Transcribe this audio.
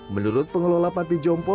menurut pengelola panti jompo